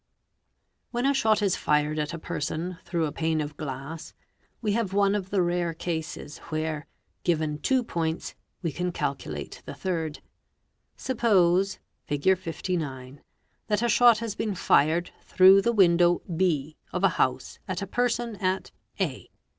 seo When a shot is fired at a person through a pane of glass, we have one of the rare cases where, given two points, we can calculate the third ®®, Suppose, Fig. 59, that a shot has been fired through the window b of a house, at a person at a.